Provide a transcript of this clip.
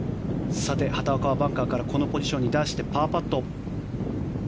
畑岡はバンカーからこのポジションに出してパーパット。